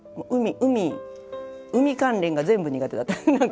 海関連が全部苦手だった。